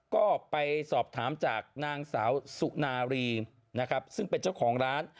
ก็ไปสอบถามจากนางสาวสุนารีนะครับซึ่งเป็นเจ้าของร้าน